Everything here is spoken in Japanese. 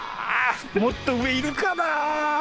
もっと上いるかな？